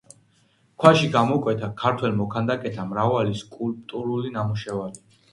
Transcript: ქვაში გამოკვეთა ქართველ მოქანდაკეთა მრავალი სკულპტურული ნამუშევარი.